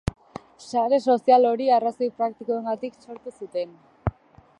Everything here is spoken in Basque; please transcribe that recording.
Sare sozial hori arrazoi praktikoengatik sortu zuten.